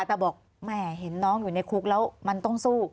แต่บอกแหมเห็นน้องอยู่ในคุกแล้วมันต้องสู้